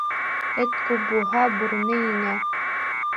Эт күп булһа, бүрене еңә.